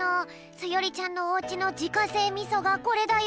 そよりちゃんのおうちのじかせいみそがこれだよ。